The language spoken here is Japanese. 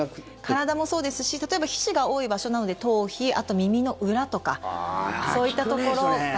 体もそうですし例えば皮脂が多い場所なので頭皮あと耳の裏とかそういったところが。